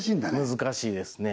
難しいですね